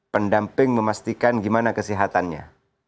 pendamping memastikan gimana kesehatannya